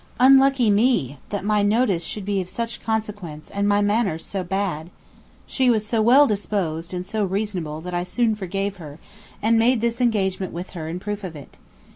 Unlucky me! that my notice should be of such consequence, and my manners so bad! She was so well disposed, and so reasonable, that I soon forgave her, and made this engagement with her in proof of it.